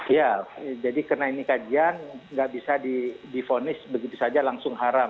ya jadi karena ini kajian nggak bisa difonis begitu saja langsung haram